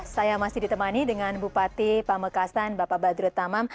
saya masih ditemani dengan bupati pamekasan bapak badrut tamam